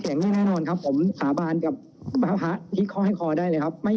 ไม่แน่นอนครับผมสาบานกับพระที่ข้อให้คอได้เลยครับ